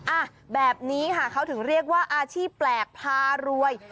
อ่ะแบบนี้ค่ะเขาถึงเรียกว่าอาชีพแปลกพารวย